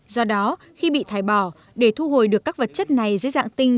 do đó khi bị thải bỏ để thu hồi được các vật chất này dưới dạng tinh